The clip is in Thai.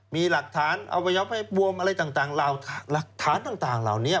มีหลักฐานเอาไปยอมให้บวมอะไรต่างหลักฐานต่างเหล่านี้